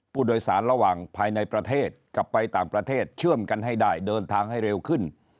ผู้โดยสารระหว่างภายในประเทศกลับไปต่างประเทศเชื่อมกันให้ได้เดินทางให้เร็วขึ้น